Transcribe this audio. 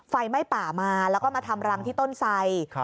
ไฟไหม้ป่ามาแล้วก็มาทำรังที่ต้นไส